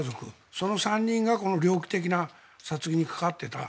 その３人がこの猟奇的な殺人に関わっていた。